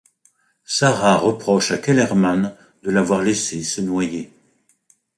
Sara reproche à Kellerman de l'avoir laissée se noyer.